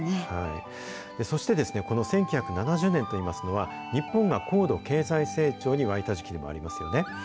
そして、この１９７０年といいますのは、日本が高度経済成長に沸いた時期でもありますよね。